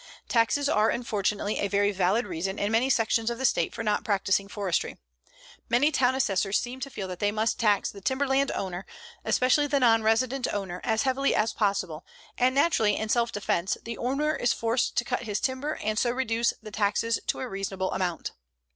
Taxes are unfortunately a very valid reason in many sections of the State for not practicing forestry. Many town assessors seem to feel that they must tax the timberland owner, especially the non resident owner, as heavily as possible, and naturally in self defense the owner is forced to cut his timber and so reduce the taxes to a reasonable amount.